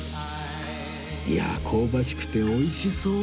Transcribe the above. いやー香ばしくておいしそう